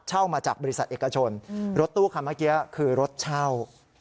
มาจากบริษัทเอกชนรถตู้คันเมื่อกี้คือรถเช่า